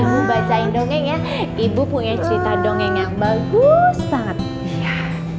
ibu bacain dongeng ya ibu punya cerita dongeng yang bagus sangat syah